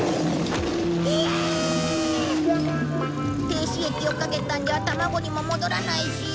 停止液をかけたんじゃ卵にも戻らないし。